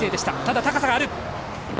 ただ、高さがある。